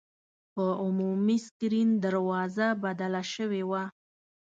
په عمومي سکرین دروازه بدله شوې وه.